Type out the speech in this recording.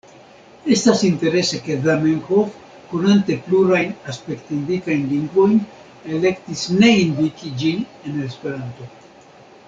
Estas interese ke Zamenhof, konante plurajn aspektindikajn lingvojn, elektis ne indiki ĝin en Esperanto.